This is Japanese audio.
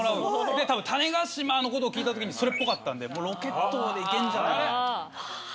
多分種子島のことを聞いた時それっぽかったんでロケットまで行けんじゃないかな。